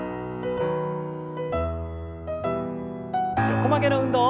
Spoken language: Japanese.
横曲げの運動。